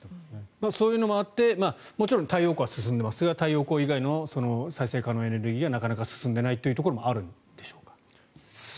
そういうのもあってもちろん太陽光は進んでいますが太陽光以外の再生可能エネルギーがなかなか進んでいないということもあるんでしょうか。